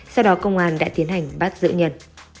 sau đó công an đã tiến hành bắt giữ nhân